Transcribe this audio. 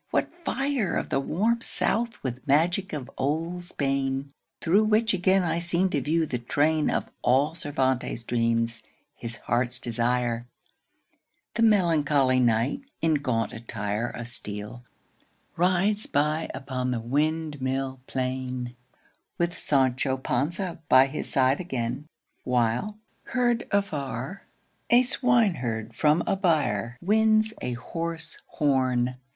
what fire Of the "warm South" with magic of old Spain! Through which again I seem to view the train Of all Cervantes' dreams, his heart's desire: The melancholy Knight, in gaunt attire Of steel rides by upon the windmill plain With Sancho Panza by his side again, While, heard afar, a swineherd from a byre Winds a hoarse horn.